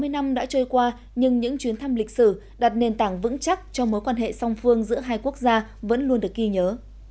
sáu mươi năm đã trôi qua nhưng những chuyến thăm lịch sử đặt nền tảng vững chắc cho mối quan hệ song phương giữa hai quốc gia vẫn luôn được ghi nhớ